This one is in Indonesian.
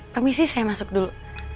permisi saya masuk dulu